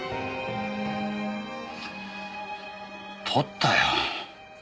盗ったよ